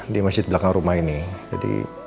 di masjid belakang rumah ini jadi